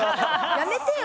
やめてよ？